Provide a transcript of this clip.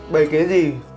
bày cái gì